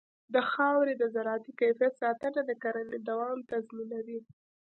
د خاورې د زراعتي کیفیت ساتنه د کرنې دوام تضمینوي.